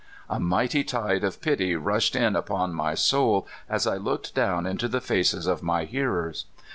A mighty tide of pity rushed in upon my soul as I looked down into the faces of my hearers.